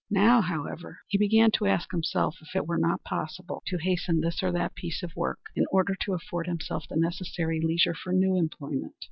Now, however, he began to ask himself if it were not possible to hasten this or that piece of work in order to afford himself the necessary leisure for new employment.